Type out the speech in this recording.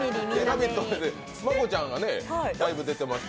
真子ちゃんがだいぶ出てました。